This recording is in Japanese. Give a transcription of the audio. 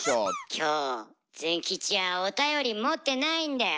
今日ズン吉はおたより持ってないんだよ。